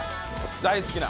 大好きな。